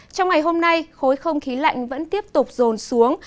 trong ngày hôm nay khối không khí lạnh vẫn tiếp tục rồn xuống